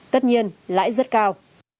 tất nhiên lãi rất cao